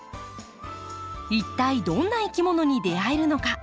一体どんないきものに出会えるのか。